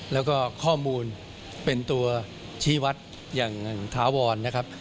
แล้วก็ข้อมูลเป็นตัวชี้วัดอย่างถาวรนะครับ